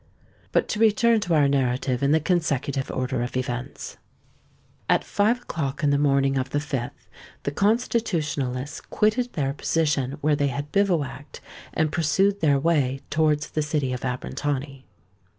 But to return to our narrative in the consecutive order of events. At five o'clock in the morning of the 5th, the Constitutionalists quitted their position where they had bivouacked, and pursued their way towards the city of Abrantani.